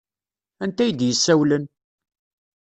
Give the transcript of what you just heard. Anta ay d-yessawlen?